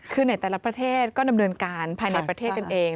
คือในแต่ละประเทศก็ดำเนินการภายในประเทศกันเอง